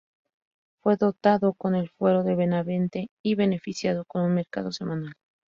Fue dotada con el fuero de Benavente y beneficiada con un mercado semanal.